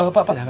eh pak pak